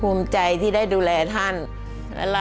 ร้องได้ให้ร้าง